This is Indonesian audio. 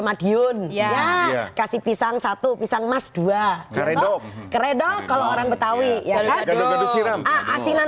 madiun ya kasih pisang satu pisang emas dua atau keredo kalau orang betawi ya kan asinan